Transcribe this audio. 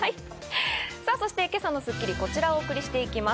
さぁ、今朝の『スッキリ』はこちらをお送りしていきます。